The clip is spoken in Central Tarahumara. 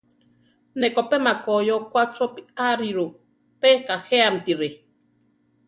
Ne ko pe makói okwá chopí ariru, pe kajéamtiri.